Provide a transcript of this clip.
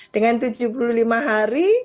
dengan tujuh puluh lima hari